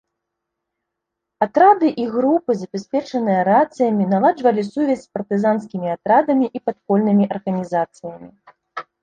Атрады і групы, забяспечаныя рацыямі, наладжвалі сувязь з партызанскімі атрадамі і падпольнымі арганізацыямі.